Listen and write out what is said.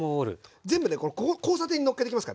全部ねこの交差点にのっけていきますからね。